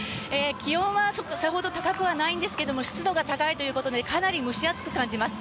気温はさほど高くはないんですけど湿度が高いということでかなり蒸し暑く感じます。